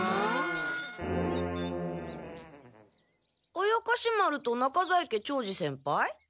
怪士丸と中在家長次先輩？